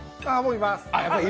います！